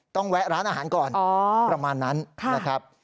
แวะร้านอาหารก่อนประมาณนั้นนะครับ